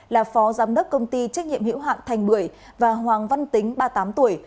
là phó giám đốc công ty trách nhiệm hiệu hạn thành bưởi và hoàng văn tính ba mươi tám tuổi